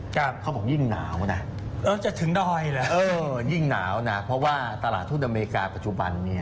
เขาบอกยิ่งหนาวนะเราจะถึงดอยเหรอเออยิ่งหนาวนะเพราะว่าตลาดทุนอเมริกาปัจจุบันเนี่ย